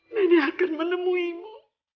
nenek akan menemuimu